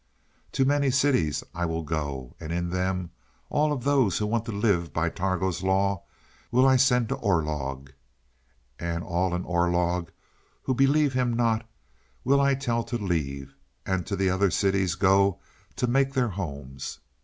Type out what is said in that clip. "To many cities I will go. And in them, all of those who want to live by Targo's law will I send to Orlog. And all in Orlog who believe him not, will I tell to leave, and to the other cities go to make their homes.